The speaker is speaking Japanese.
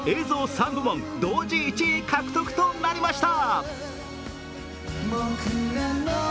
３部門同時１位獲得となりました。